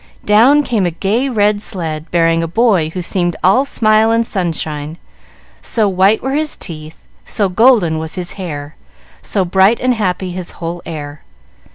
Down came a gay red sled, bearing a boy who seemed all smile and sunshine, so white were his teeth, so golden was his hair, so bright and happy his whole air.